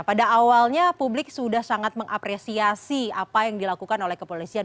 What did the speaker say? pada awalnya publik sudah sangat mengapresiasi apa yang dilakukan oleh kepolisian